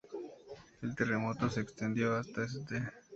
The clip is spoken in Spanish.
El terremoto se extendió hasta St.